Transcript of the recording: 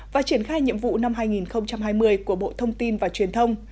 và triển khai nhiệm vụ năm hai nghìn hai mươi của bộ thông tin và truyền thông